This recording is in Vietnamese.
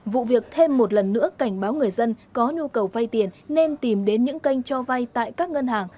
vụ việc thêm một lần nữa cảnh báo người dân có nhu cầu vay tiền nên tìm đến những kênh cho vay tại các ngân hàng